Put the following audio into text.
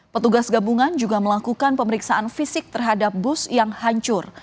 petugas gabungan juga melakukan pemeriksaan fisik terhadap bus yang hancur